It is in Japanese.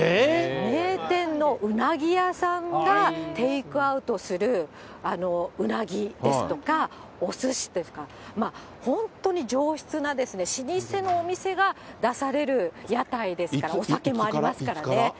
名店のうなぎ屋さんがテイクアウトするうなぎですとか、おすしですとか、本当に上質な老舗のお店が出される屋台ですから、お酒もいつから？